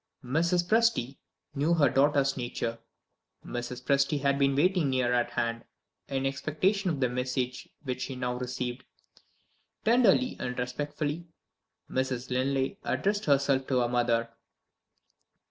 Mrs. Presty knew her daughter's nature; Mrs. Presty had been waiting near at hand, in expectation of the message which she now received. Tenderly and respectfully, Mrs. Linley addressed herself to her mother.